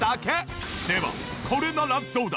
ではこれならどうだ。